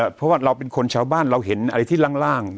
เพราะว่าเราเป็นคนชาวบ้านเราเห็นอะไรที่ล่าง